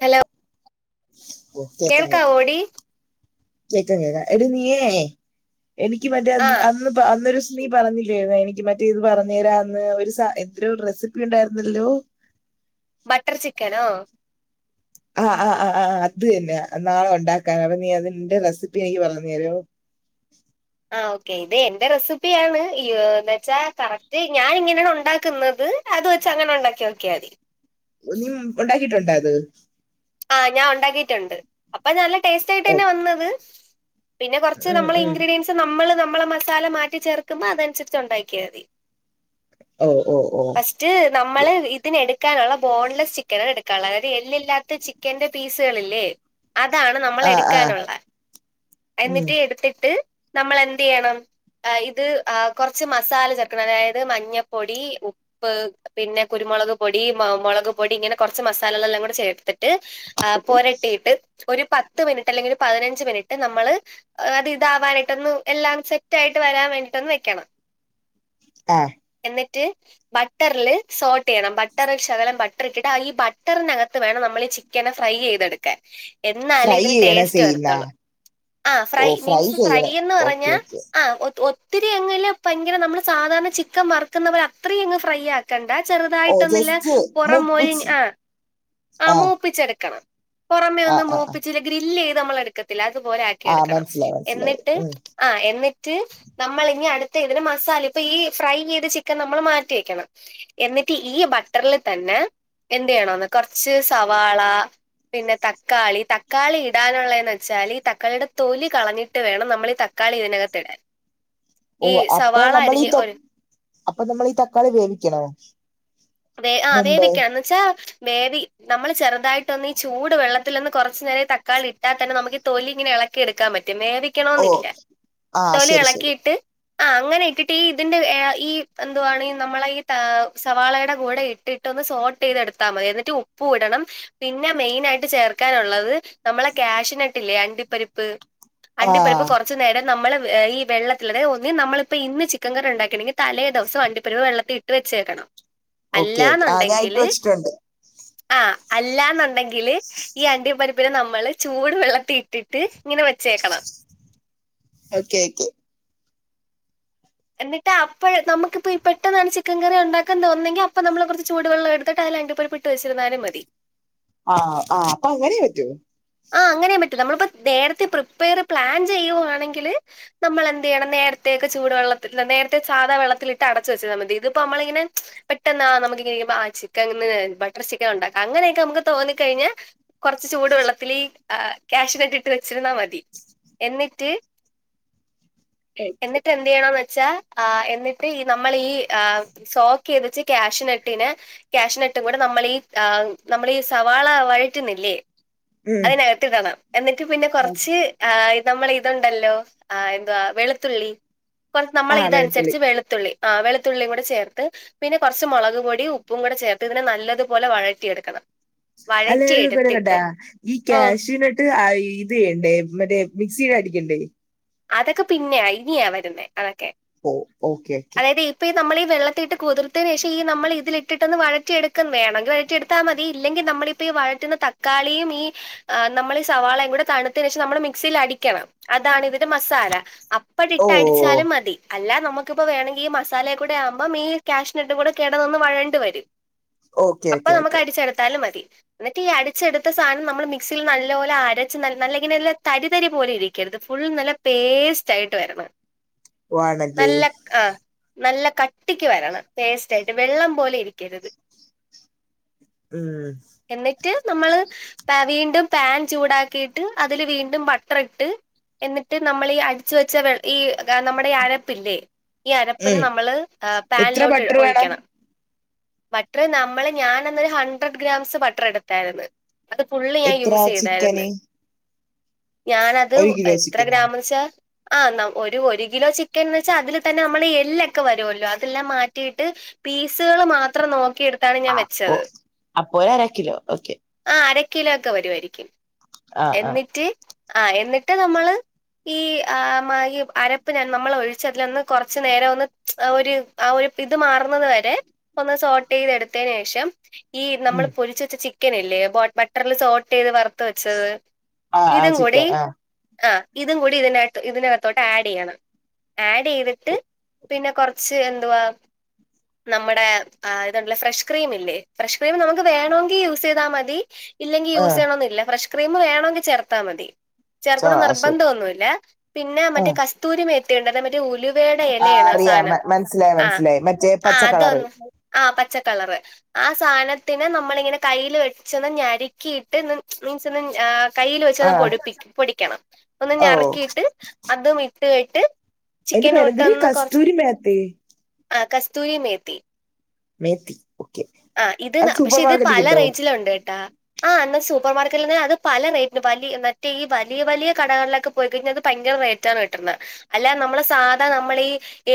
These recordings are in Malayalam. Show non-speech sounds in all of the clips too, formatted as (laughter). ഹലോ ഓ കേക്കാ കേക്കാം കേൾക്കാവോടി കേക്കാ കേക്കാം എടീ നീയേ എനിക്ക് മറ്റേ ആ അന്ന് ഇപ്പ അന്നൊരുസം നീ പറഞ്ഞില്ലായിരുന്നു എനിക്ക് മറ്റേ ഇത് പറഞ്ഞു തരാന്ന് ഒരു സാ എന്തോ റെസിപ്പി ഉണ്ടായിരുന്നല്ലോ ബട്ടർ ചിക്കനോ ആഹ് ആഹ് ആഹ് ആഹ് അത് തന്നെയെ നാളെ ഉണ്ടാക്കാൻ അപ്പൊ നീ അതിന്റെ റെസിപ്പി എനിക്ക് പറഞ്ഞു തരോ ആ ഓക്കേ ഇത് എന്റെ റെസിപ്പിയാണ് എ വച്ചാ കറക്റ്റ് ഞാൻ ഇങ്ങനെയാണ് ഉണ്ടാക്കുന്നത് അത് വെച്ച് അങ്ങനെ ഉണ്ടാക്കി നോക്കിയാ മതി നീ ഉണ്ടാക്കിട്ടുണ്ടോ ഇത് ആഹ് ഞാൻ ഉണ്ടാക്കിയിട്ടുണ്ട് അപ്പൊ നല്ല ടേസ്റ്റ് ആയിട്ട് ഓ തന്നെ വന്നത് പിന്നെ കുറച്ച് ഉം, നമ്മൾ ഉം. ഇൻഗ്രീഡിയൻസ് പ്പം നമ്മൾ നമ്മളെ മസാല മാറ്റി ചേർക്കുമ്പോൾ അതനുസരിച്ച് ഉണ്ടാക്കിയാൽ മതി ഓ ഓ ഓ ഇത് ഓക്കെ നമ്മള് ഇതിന് എടുക്കാനുള്ള ബോൺലെസ് ചിക്കനാണ് എടുക്കാനുള്ളത് അതായത് എല്ലില്ലാത്ത ചിക്ക ക്കന്റെ പീസുകളില്ലേ അതാണ് നമ്മൾ ആ ആ എടുക്കാനുള്ളത് ഉം. എന്നിട്ട് എടുത്തിട്ട് നമ്മൾ എന്തെയ്യണം ഇത് കുറച്ച് മസാല ചേർക്കണം അതായത് മഞ്ഞപ്പൊടി, ഉപ്പ് ഉപ്പ് പിന്നെ കുരുമുളക് പൊടി, മുളക് പൊടി ഇങ്ങനെ കുറച്ച് മസാലകളെല്ലാം കൂടെ ചേർത്തിട്ട് ട്ട് പോരട്ടിയിട്ട് ഒരു പത്ത് മിനിറ്റ് അല്ലെങ്കിൽ ഒരു പതിനഞ്ച് മിനിറ്റ് നമ്മള് അത് ഇതാവാനായിട്ട്ന്ന് എല്ലാം സെറ്റ് ആായിട്ട് വരാൻ വേണ്ടിയിട്ടൊന്ന് വെക്കണം ആഹ് എന്നിട്ട് ബട്ടറിൽ സോൾട്ട് ചെയ്യണം ബട്ടറിൽ ശകലം ബട്ടറി ഇട്ടിട്ട് ഈ ബട്ടറിനകത്ത് വേണം നമ്മൾ ചിക്കന ഫ്രൈ ചെയ്തെടുക്കാ എന്നാലേ ഫ്രൈ ഇതിന് ചെയ്യണേ ടേസ്റ്റ് ചെയ്യുന്ന വരുത്തുള്ളൂ ആ ഓ ഫ്രൈ മീൻസ് ഫ്രൈ ചെയ്യണേ എന്ന് ഓക്കെ പറഞ്ഞാ ഓക്കെ ആ ഒ ഒത്തിരി അങ്ങ്ല്ലെ ഭയങ്കര നമ്മള് സാധാരണ ചിക്കൻ വറക്കുന്ന പോലെ അത്രയും അങ്ങ് ഫ്രൈ ആക്കണ്ട ഓ ചെറുതായിട്ടൊന്നില്ല ജസ്റ്റ് പുറം മൊഴി മൂപ്പിച്ച് ആഹ് ആഹ് ആ മൂപ്പിച്ചെടുക്കണം പുറമേ ആ ഒന്നും ആ ആ. മൂപ്പിച്ചില്ല ഗ്രില്ല് ചെയ്ത് നമ്മള എടുക്കത്തി അതുപോലെ ആ എടുക്കണം മനസ്സിലായി മനസ്സിലായി എന്നിട്ട് ഉം ആ എന്നിട്ട് നമ്മൾ ഇനി അടുത്ത ഇതിന് മസാല ഇപ്പൊ ഈ ഫ്രൈ ചെയ്ത് ചിക്കൻ നമ്മൾ മാറ്റി വെക്കണം എന്നിട്ട് ഈ ബട്ടറിൽ തന്നെ എന്ത് ചെയ്യണോന്ന് കൊറച്ച് സവാള പിന്നെ തക്കാളി തക്കാളി ഇടാനുള്ളതെന്ന് വെച്ചാൽ ഈ തക്കാളിയുടെ തൊലി കളഞ്ഞിട്ട് വേണം നമ്മൾ ത കളി ഇതിനകത്തിടാൻ ഓ അപ്പൊ നമ്മൾ ഈ ചൊ ഒരു അപ്പൊ നമ്മൾ ഈ തക്കാളി വേവിക്കണോ ആഹ് മുമ്പേ വേവിക്ക എന്ന് വെച്ചാ വേവി നമ്മൾ ചെറുതായിട്ടൊന്ന് ഈ ചൂട് വെള്ളത്തില് ഒന്ന് കുറച്ചു നേരം തക്കാളി ഇട്ടാ തന്നെ നമുക്ക് തൊലിങ്ങനെ ഇള ക്കി എടുക്കാം പറ്റും. ഓ വേവിക്കണോന്നില്ല. ആ തൊലി ശരി ശരി എളക്കീട്ട് ആ അങ്ങനെഇട്ടിട്ടീ ഇതിന്റെ എ ഈ എന്തുവാണ് നമ്മളെ ഈ താ സവാളേടെ കൂടെ ഇട്ടിട്ട് ഒന്ന് സോൾട്ട് ചെയ്ത എടുത്താ മതി എന്നിട്ട് ഉപ്പു ഇടണം പിന്ന മെയിൻ ആയിട്ട് ചേർക്കാനുള്ളത് നമ്മളെ ക്യാഷിനട്ടില്ലേ അണ്ടിപ്പരിപ്പ് ആ അണ്ടിപ്പരിപ്പ് കുറ ച്ച് നേരം നമ്മള് എ ഈ വെള്ളത്തില് തെ ഒന്ന് നമ്മളിപ്പ ഇന്ന് ചിക്കം കറിണ്ടാക്കണങ്കി തലേ ദെവസം അണ്ടിപ്പരപ് വെള്ളത്തി റെച്ചേക്കണം ഓക്കെ ഓക്കെ ആ ഞാൻ ഇട്ട് അല്ലാന്നുണ്ടെങ്കില് വെച്ചിട്ടുണ്ട് ആ അല്ലാ ന്നുണ്ടെങ്കില് ഈ അണ്ടിപരിപ്പ് പിന്നെ നമ്മള് ചൂട് വെള്ളത്തി ഇട്ടിട്ട് ഇങ്ങനെ വെച്ചേക്കണം ഒക്കെ ക്കെ എന്നിട്ട് അപ്പഴ് നമുക്കിപ്പോ പെട്ടെന്നാണ് ചിക്കൻ കറിണ്ടാക്കുന്ന തോന്നുന്നങ്കി അപ്പ നമ്മള് കുറച്ച് ചൂടു വെള്ളം എടുത്തിട്ട് അതില് അണ്ടിപരിപ്പ് ട്ട് വെച്ചിരുന്നാലും മതി ആഹ് ആ അപ്പൊ അങ്ങനെ പറ്റൂ ആഹ് അങ്ങനെയും പറ്റും നമ്മളിപ്പോ നേരത്തെ പ്രിപ്പയർ പ്ലാൻ ചെയ്യുവാണെങ്കില് നമ്മള് എന്ത് ചെയ്യണം നേരത്തെക്കെ ചൂട് വെള്ളത്തി നേരത്തെ സാധ വെള്ളത്തിലിട്ട് അടച്ചു വച്ചാൽ മതി ഇതിപ്പോ നമ്മളിങ്ങനെ പെട്ടെന്ന നമുക്ക് ഇങ്ങനുമ്പ ആ ചിക്കൻ ബട്ടർ ചിക്കൻ ഉണ്ടാക്കാം അങ്ങനെയൊക്കെ നമുക്ക് തോന്നിക്കഴിഞ്ഞാ കുറച്ച് ചൂട് വെള്ള ഇതിലീ കാശ്യുനട്ട് ഇട്ട് വെച്ചിരുന്നാ മതി എന്നിട്ട് എന്നിട്ട് എന്ത് ചെയ്യണഎന്ന് വെച്ചാ എന്നിട്ട് ഈ നമ്മൾ ഈ സോക്ക് ചെയ്ത് വെച്ച ക്യാഷനെട്ടിനെ ക്യാഷിനട്ടും കൂട നമ്മളീ ആ നമ്മളീ സവാള വഴറ്റ്ന്ന്ല്ലേ ഉം അതിനകത്ത് ഇടണം എന്നിട്ട് പിന്നെ കുറച്ച് ആ ഇ നമ്മളിതുണ്ടല്ലോ ആ എന്തുവാ വെളുത്തുള്ളി കൊർ ആ നമ്മളെ വെളുത്തുള്ളി ഇതൻസരിച്ച് വെളു ത്തുള്ളി ആ വെളുത്തുള്ളീം കൂടെ ചേർത്ത് പിന്നെ കൊർച്ച് മൊളക് പൊടി ഉപ്പും കൂടെ ചേർത്ത് ഇതിനെ നല്ലതു പോലെ വഴറ്റിയെടുക്കണം. അല്ലെ വഴറ്റിയെടുത്തിട്ട് (unintelligible) ഈ ആ കാഷ്യുവിനെട്ട് ഇത് ചെയ്യണ്ടേ മറ്റേ മിക്സിയിൽ അടിക്കണ്ടേ അതൊക്കെ പിന്നെയാ ഇനിയാ വരുന്നേ അതൊക്കെ ഓ ഓക്കെ ക്കേ തായത് ഇപ്പൊ നമ്മളീ വെള്ളത്തിലിട്ട് കുതിർത്തയിനേഷം ഈ നമ്മള് ഇതിലിട്ട്ട്ടൊന്ന് വഴറ്റിയെട്ക്കെം വേണം. (unintelligible) ഇട്ടാ മതി ഇല്ലെങ്കി നമ്മളിപ്പോ ഈ വഴറ്റുന്ന തക്കാളിയും ഈ ആഹ് നമ്മള് ഈ സവാളയും കൂടെ തണുത്തതിന് ശേഷം നമ്മള് മിക്സിയിൽ അടിക്കണം അതാണി റ്റ്മസാല ഓ അപ്പടിട്ടടിച്ച് ഇട്ടാലും മതി അല്ല നമുക്ക് ഇപ്പൊ വേണങ്കി ഈ മസാല കൂടെ ആവുമ്പം ഈ ക്യാഷ്നട്ടും കൂടെ കടന്ന് വയണ്ട് വരും ഓക്കെ അപ്പൊ ഓക്കെ നമുക്ക് ഓക്കെ അടിച്ചെടുത്താലും മതി എന്നിട്ട് ഈ അടിച്ചെടുത്ത സാധനം നമ്മൾ മിക്സിയിൽ നല്ല പോലെ അരച്ച് നല്ല ഇങ്ങനെ നല്ല തരി തരി പോലെ ഇരിക്കരുത് ഫുൾ നല്ല പേസ്‌റ്റായിട്ട് വരണ് വേണല്ലേ നല്ല ആഹ് നല്ല കട്ടിക്ക് വരണം പേസ്റ്റ് ആയിട്ട് വെള്ളം പോലെ ഇരിക്കരുത് ഉം എന്നിറ്റ് നമ്മള് പ വീണ്ടും പാൻ ചൂടാക്കീട്ട് അതില് വീണ്ടും ബട്ടറ്ട്ട് ട്ട് നമ്മളീ അട്ച്ചു വെച്ച വെ ഈ അ നമ്മുടെഈ അരപ്പില്ലേ ഈ അരപ്പ്ന് ഉം നമ്മള് എ എത്ര പാൻലോട്ട് ബട്ടർ വേണം ഒഴിക്കണം ബട്ടർ നമ്മള് ഞാൻ അന്നൊരു ഹൺണ്ട്രഡ് ഗ്രാംസ് ബട്ടർ എടുത്താര്ന്ന് അത് ഫുള്ള് ഞാൻ എത്ര യൂസ് ചെയ്തായിരുന്നു ചിക്കന് ഞാനത് ഒരു കിലോ എത്ര ചിക്കനാ ഗ്രാമെന്ന് വച്ചാ ആ ന ഒരു ഒരു കിലോ ചിക്കൻ വെച്ചാ അതില് തന്നെ നമ്മള് എല്ലൊക്ക വരുവല്ലൊ അതെല്ലാം മാറ്റീട്ട് പീസുകള് മാത്രം നോക്കി എടുക് ട്ടാണ് ഞാൻ അപ്പൊ വെച്ചത് അപ്പൊ ഒരു അര കിലോ ഓക്കെ ആ അരക്കിലോ ഒക്കെ വരുവായിരിക്കും ആ ആ എന്നിട്ട് ആ എന്നിട്ട് നമ്മള് ഈ ആ ഈ അരപ്പിനെ നമ്മളൊഴിച്ച ഞാൻ ന അതിലൊന്ന് കുറച്ച നേരം ഒന്ന് ആ ഒരു ആ ഒരു ഇത് മാറുന്നതു വരെ ഒന്ന് സോർട്ട് ചെയ്ത് എടുത്തതിന് ശേഷം ഈ നമ്മൾ ഉം പൊരിച്ച വെച്ച ചിക്കനില്ലേ ബട്ടറിൽ സോൾട്ട് ചെയ്ത് വറുത്ത റത്ത് വച്ചത് ആ ആ ഇതും കൂടി ചിക്കൻ ആ ആ ഇതും കൂടി ഇതിനകത്ത് ഇതിനകത്തോട്ട് ആഡ് ചെയ്യണം ആഡ് ചെയ്തിട്ട് പിന്നെ കൊറച്ച് എന്തുവാ നമ്മുടെ ഇതണ്ടല്ല ഫ്രഷ് ക്രീം ഇല്ലേ ഫ്രഷ് ക്രീം നമുക്ക് വേണമെങ്കിൽ യൂസ് ചെയ്താൽ മതി ഇല്ലെങ്കിൽ ആ യൂസ് ചെയ്യണന്നില്ല ഫ്രഷ് ക്രീം വേണെങ്കിൽ ചേർത്താ മതി ചോ ചേർക്കണന്ന് ആ നിർബ- ശരി ബന്ധം ഒന്നുമില്ല പിന്നെ ആ മറ്റേ കസ്തൂരിമേത്തിണ്ടല്ലോ മറ്റേ ഉലുവ വയുടെ ഇലയാണ് ആ അറിയാം സാധനം മ- മനസ്സിലായി ആ മനസ്സിലായി മറ്റേ ആ പച്ചക്കളറ് അതൊന്ന് ആ പച്ചക്കളർ ആ സാധനത്തിന് നമ്മളിങ്ങനെ കയ്യിൽ വെച്ചന്ന് ഞരിക്കിയിട്ട് മീൻസ് ഇന്ന്അഹ് കയ്യിൽ ആ വെച്ചത് പൊടിപ്പി പൊടിക്കണം ഒന്ന് ഓ ഞറക്കിയിട്ട് അതും ഇട്ട് കേട്ട് അതിന്റെ ചിക്കൻ പേരെന്തര് ഇട്ടൊന്ന് കൊറച്ച് കസ്തൂരി മേത്തി ആ കസ്തൂരി മേത്തി മേത്തി ഓക്കെ ആ ഇത് അത് സൂപ്പർ പക്ഷെ ഇത് മാർക്കറ്റിൽ പല കിട്ടോ റേഞ്ചിലും ഉണ്ട്ട്ടാ ആ എന്നൽ സൂപ്പർ മാർക്കറ്റിൽ തന്നെ അത് പല റേറ്റിന് വല മറ്റേ ഈ വലിയ വലിയ കടകളിലൊക്കെ പോയി കഴിഞ്ഞ അത് ഭയര റേറ്റാണ് കിട്ടുന്നത് അല്ല നമ്മള് സാധാ നമ്മളീ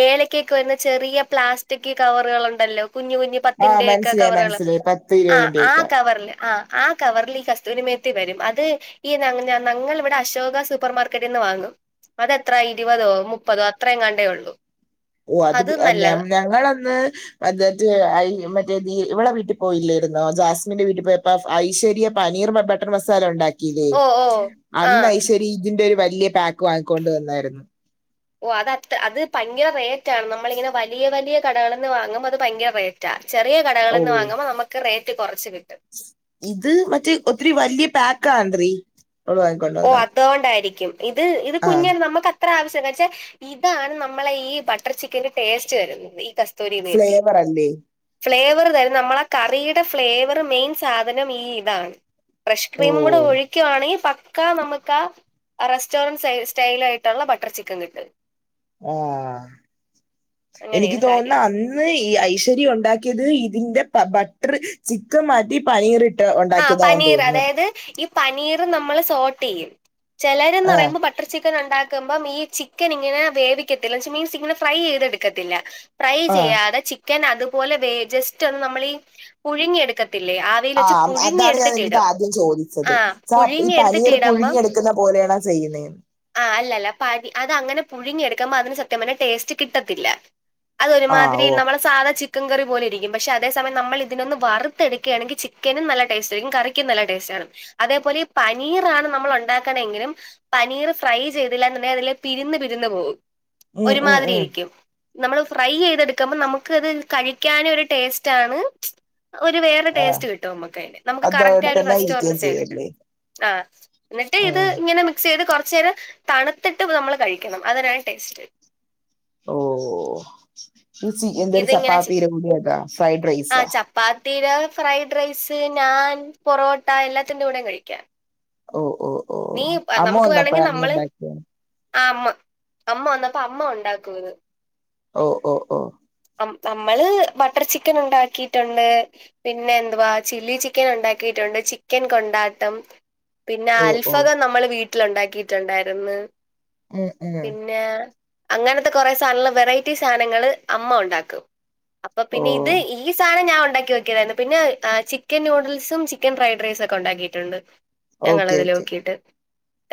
ഏലക്കഒക്കെ വരുന്ന ചെറിയ പ്ലാസ്റ്റിക് കവറുകൾ ഉണ്ടല്ലോ കുഞ്ഞു കുഞ്ഞു ആ പത്തിൻ്റൊക്കെ മനസ്സിലായി കവറുകള് മനസ്സിലായി പത്ത് ആ ആ ഇരുപതിന്റെയൊക്കെ കവറില് ആ ആ കവറിൽ ഈ കസ്തൂരിമേത്തി വരും അത് ഈ ഞങ്ങൾ ഇവിടെ അശോക സൂപ്പർ മാർക്കറ്റിൽ നിന്ന് വാങ്ങും അതെത്ര ഇരുപതോ മുപ്പതോ അത്രങ്ങാണ്ടോ ഉള്ളൂ ഓ അത് അത്പി ഞ നല്ലത് ഞങ്ങളന്ന് അതട്ട് മറ്റേ ഇവടെ വീട്ടിൽ പോയില്ലായിരുന്നോ ജാസ്മിന്റെ വീട്ടിൽ പോയപ്പ ഐശ്വര്യ പനീർ ബ മട്ടൺ മസാല ഉണ്ടാക്കില്ലേ ഓ ഓ ആഹ് അന്ന് ഐശ്വര്യ ഇതിന്റെ ഒരു വലിയ പാക്ക് വാങ്ങിക്കൊണ്ട് വന്നായിരുന്നു ഓ അത് അ ഭയങ്കര റേറ്റ് ആണ് നമ്മളിങ്ങനെ വലിയ വലിയ കടകളിൽ നിന്ന് വാങ്ങുമ്പോ അത് ഭയങ്കര റേറ്റ് റ്റ ചെറിയ ഓ കടകളിൽ നിന്ന് വാങ്ങുമ്പോ നമുക്ക് റേറ്റ് കുറച്ച് കിട്ടും ഇത് മറ്റേ ഒത്തിരി വലിയ പാക്കാത്രി അവളു ഓ അതുകൊണ്ടായിരിക്കും ഇത് ഇത് ആ കുഞ്ഞന് നമുക്ക് എത്ര ആവശ്യന്ന് വച്ചാ ഇതാണ് നമ്മളെ ഈ ബട്ടർ ചിക്കന്റെ ടേസ്റ്റ് വരുന്നത് ഈ കസ്തു- തൂരിമേത്തി ഫ്ലേവർ അല്ലേ ഫ്ലേവർ തരും നമ്മളെ കറിയുടെ ഫ്ലേവർ മെയിൻ സാധനം ഈ ഇതാണ് ഫ്രഷ് ഓ ക്രീമും കൂടെ ഒഴിക്കുകയാണെങ്കിൽ പ- ക്ക നമുക്ക് ആ റെസ്റ്റോറന്റ് സ്റ്റൈല് ആയിട്ടുള്ള ബട്ടർ ചിക്കൻ കിട്ടും ആ എനിക്ക് അങ്ങനെയാണ് കാര്യം തോന്നുന്ന അന്ന് അന്ന് ഈ ഐശ്വര്യ ഉണ്ടാക്കിയത് ഇതിന്റെ ബട്ടർ ചിക്കൻ മാറ്റി പനീറിട്ടത് ട്ട് ആ ഉണ്ടാക്കിയതാന്ന് പനീർ തോന്നുന്നു അതായത് ഈ പനീർ നമ്മൾ സോട്ട് ചെയ്യും ചിലരന്ന് ആ പറയുമ്പെ ബട്ടർ ചിക്കൻ ഉണ്ടാക്കുമ്പം ഈ ചിക്കൻ ഇങ്ങനെ വേവിക്കത്തില്ല മീൻസ് ഇങ്ങനെ ഫ്രൈ ചെയ്തെടുക്കത്തില്ല ഫ്രൈ ആ ചെയ്യാതെ ചിക്കൻ അതുപോലെ വേ ജസ്റ്റ് ഒന്ന നമ്മൾഈ പുഴുങ്ങിയെടുക്കത്തില്ലേ ആ (unintelligible) അതാണ് ഞാൻ നിൻ്റെടുത്ത്ആദ്യം ചോദിച്ചത് ചാ ഇ പുഴുങ്ങി എടുത്തിട്ട് പനീറ് ഇടുമ്പം പുഴുഞ്ഞിയെടുക്കുന്ന പോലെയണാ ചെയ്യുന്നേന്ന് ആ അല്ലല്ല പനി അത് അങ്ങനെ പുഴുങ്ങിയ എടുക്കുമ്പോ അതിന് സത്യം പറഞ്ഞ ടേസ്റ്റ് കിട്ടത്തില്ല ആ അതൊരുമാതിരി ഓ നമ്മളെ സാധാ ചിക്ക- ചിക്കൻ കറി പോല ഇരിക്കും പക്ഷെ അതേ സമയ നമ്മൾ ഇതിനൊന്ന് വറു ത്തെടുക്കുകയാണെങ്കിൽ ചിക്കനും നല്ല ടേസ്റ്റ് ആയിരിക്കും കറിക്കും നല്ല ടേസ്റ്റ് ആണ് അതേപോലെ പനീർ ആണ് നമ്മൾ ഉണ്ടാക്കണെങ്കിലും പനീർ ഫ്രൈ ചെയ്തില്ലാ എങ്കിൽ അതില് പിരുന്ന് പിരുന്ന് പോകും ഉം ഉം ഒരുമാതിരി ഉം ഇരിക്കും നമ്മൾ ഫ്രൈ ചെയ്തെടുക്കുമ്പോ നമുക്കത് കഴിക്കാനും ഒരു ടേസ്റ്റ് ആണ് ഒരു വേറെ ആ ടേസ്റ്റ് കിട്ടും നമുക്ക് അയിന് നമുക്ക് കറക്റ്റ് അതവിടെ ആയി ഒരു തന്നെ റെസ്റ്റോറന്റ് ഇരിക്കുകയും ടേസ്റ്റ് കിട്ടും ചെയ്യല്ലേ ആഹ് ന്നെട്ട് ഇത് ഉം ഇങ്ങനെ നി മിക്സ് ചെയ്ത് കുറച്ചേരം തണ്ത്തിട്ട് നമ്മൾ കഴിക്കണം അതിനാണ് ടേസ്റ്റ് ഓഹ് ഈ ചിക്കൻ കറി ഇതിങ്ങനെ ചപ്പാത്തീല് മുങ്ങീട്ടാ ഫ്രൈഡ് റൈസാ പാത്തിര ഫ്രൈഡ്റൈസ് നാൻ പൊറോട്ട എല്ലാത്തിൻ്റൂടെയും കഴിക്കാ ഓഹ് ഓഹ് ഓഹ് അമ്മു വന്നപ്പഴാ നീ ഉണ്ടാക്കിയെ ആഹ് അമ്മ അമ്മ വന്നപ്പോ അമ്മ ഉണ്ടാക്കൂത് ഓഹ് ഓഹ് ഓഹ് അം നമ്മള് ബട്ടർ ചിക്കനുണ്ടാക്കീട്ട്ണ്ട് പിന്നെ എന്തുവാ ചില്ലി ചിക്കന്ണ്ടാക്കീട്ടുണ്ട് ചിക്കൻ കൊണ്ടാട്ടം പിന്നെ ഓ അൽ ഓ നമ്മൾ വീട്ടില്ണ്ടാക്കീട്ടുണ്ടായിരുന്ന് ഉം ഉം പിന്നെ അങ്ങനത്തെ കുറെ സാനങള് വെറൈറ്റി സാനങ്ങള് അമ്മ ഉണ്ടാക്കും അപ്പൊ ഓ പിന്നെ ഇത് ഈ സാനം ഞാൻ ഉണ്ടാക്കി നോക്കിതായിരുന്ന് പിന്നെ ഏഹ് ചിക്കൻ ന്യൂഡിൽസും ചിക്കൻ ഫ്രൈഡ് റൈസൊക്കെ ഉണ്ടാക്കിയിട്ട്ണ്ട് ഓക്കെ ഓക്കെ കിട്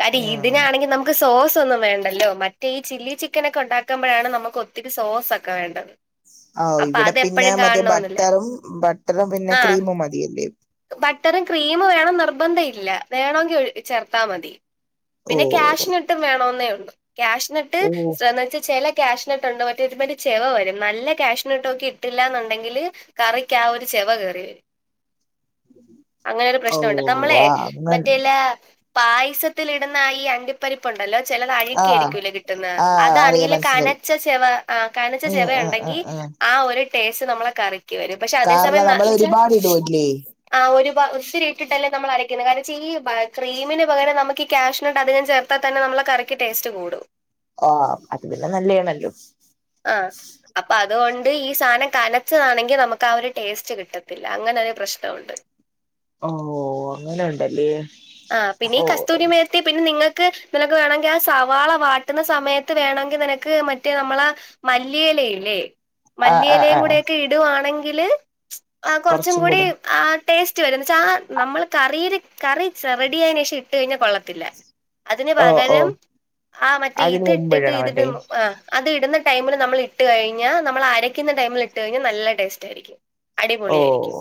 അതി ആഹ് യിതിനാണെങ്കി നമു മുക്ക് സോസ് ഒന്നും വേണ്ടല്ലോ മറ്റേ ഈ ചില്ലി ചിക്കനെക്കെ ഉണ്ടാക്ക്മ്പഴാണ് നമുക്ക് ഒത്തിരി സോസൊക്കെ വേണ്ടത് ഔഹ് അപ്പൊ ഇവിടെ അത് പിന്നെ എപ്പോഴും മറ്റേ കാണണോന്നില്ല ബട്ടറും ബട്ടറും പിന്നെ ആ ക്രീമും മതിയെല്ലേ ബട്ടറും ക്രീമ് വേണം നിർബന്ധഇല്ല വേണോങ്കിൽ ഒഴി ചേർത്താമതി ഓ പിന്നെ ക്യാഷിനട്ടും വേണോന്നേ ഉള്ളൂ ക്യാഷിനട്ട് ഓ സ്ര ചെല ക്യാഷ്നട്ട്ണ്ട് മറ്റൊരുമാരി ചെവ വരും നല്ല ക്യാഷിനട്ടോക്കി ഇട്ടില്ലാന്ന്ണ്ടെങ്കില് കറിക്കാ ഒര് ചെവ കേറിവരും അങ്ങനൊരു ഓ പ്രശ്നൊണ്ട് നമ്മളെ ആ അങ്ങനണ്ട മറ്റേല്ലേ പായസത്തിലിടുന്ന ഈ അണ്ടി പ്പരിപ്പുണ്ടല്ലോ ചിലത് ആഹ് അഴിക്കിയായിരിക്കൂല്ലേ കിട്ട്ന്നെ ആഹ് അറിയാം അതാണീല് മനസ്സിലായി കനച്ച ചെവ ആഹ് കനച്ച ഉം ചെവ ഉം ഉം ണ്ടെങ്കീ ഉം ആ ഒരു ടേസ്റ്റ് നമ്മളെ കറി ക്കി വരും പക്ഷെ അതേ കാരണം സമയം നമ്മൾ നശിച്ചാ ഒരുപാട് ഇടുവല്ലേ ആഹ് ഒരുപ മിക്സിലിട്ടിട്ടല്ലേ നമ്മൾ അരക്കെന്നെ കാരണം ചീപാ ക്രീമിന് പകരം നമ്മക്ക് ക്യാഷിനട്ട് അധികം ചേർ പ്പത്തന്നെ നമ്മളെ കറിക്ക് ടേസ്റ്റ് കൂടും ഓഹ് അത് പിന്നെ നല്ലെണല്ലോ ആഹ് അപ്പൊ അത്കൊണ്ട് ഈ സാനം കനച്ചതാണെങ്കി നമക്ക് ആ ഒരു ടേസ്റ്റ് കിട്ടത്തില്ല അങ്ങനെ ഒരു പ്രശ്നം ആഹ് ഉണ്ട് ഓഹ് അങ്ങിനെ ഉണ്ടല്ലേ ആഹ് പിന്നെ ഈ ഓ കസ്തൂരി മേ പി പിന്നെ നിങ്ങക്ക് നിനക്ക് വേണെങ്കെ സവാള വാട്ട്ന്ന സമയത്ത് വേണെങ്കിൽ നിനക്ക് മറ്റേ നമ്മളെ മല്ലിയെലല്ലേ ആ ആ മല്ലിയെലയും ആ ആ കൂടെയൊക്കെ ഇടുവാണെങ്കില് ആഹ് കൊറച്ചും കൂടി ആഹ് ടേസ്റ്റ് വരും, എന്നോച്ചാ ആ നമ്മള് കറീല് കറി റെഡിയായേന് ശേഷം ഇട്ട് കഴിഞ്ഞാ കൊള്ളത്തില്ല. അതിന് ഓ ഓ പകരം ആഹ് മറ്റേ അതിന് ഇത് മുമ്പ് ഇട്ടിട്ട് ഇടണം അല്ലേ ഇതിടുമ്പോ ആഹ് അത് ഇടുന്ന ടൈമിൽ നമ്മൾ ഇട്ട് കഴിഞ്ഞാ നമ്മൾ അരയ്ക്ക്ന്ന ടൈമിൽ ഇട്ട് കഴിഞ്ഞാ നല്ല ടേസ്റ്റായിരിക്കും ഓ അടിപൊളിയായിരിക്കും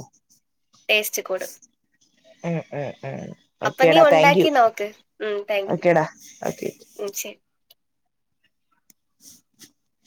ടേസ്റ്റ് കൂടും ഉം ഉം ഉം അപ്പൊ നീ ഓക്കെടാ താങ്ക് യു ഉണ്ടാക്കി നോക്ക് ഉം താങ്ക് യു ഓക്കെടാ ഓക്കെ ഉം ശരി (inaudible)